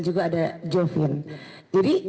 juga ada jovin jadi